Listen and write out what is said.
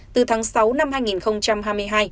từ tháng sáu năm hai nghìn hai mươi hai